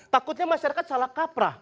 takutnya masyarakat salah kaprah